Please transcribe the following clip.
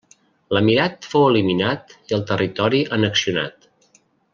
L'emirat fou eliminat i el territori annexionat.